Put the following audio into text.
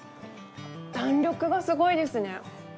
弾力がすごいですね。